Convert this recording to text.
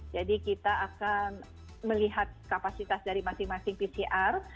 jadi kita akan melihat kapasitas dari masing masing pcr